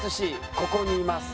ここにいます。